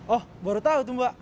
oh baru tahu tuh mbak